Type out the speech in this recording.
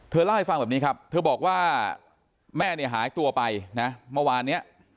เธอเล่าให้ฟังแบบนี้ครับเธอบอกว่าแม่หายตัวไปเมื่อวาน